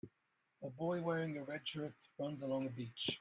A boy wearing a red shirt runs along a beach.